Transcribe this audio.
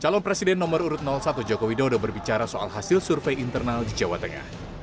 calon presiden nomor urut satu jokowi dodo berbicara soal hasil survei internal di jawa tengah